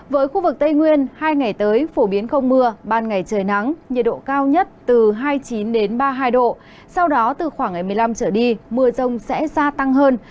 với khu vực tây nguyên hai ngày tới phổ biến không mưa ban ngày trời nắng nhiệt độ cao nhất từ hai mươi chín ba mươi hai độ sau đó từ khoảng ngày một mươi năm trở đi mưa rông sẽ gia tăng hơn